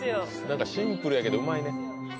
何かシンプルやけどうまいね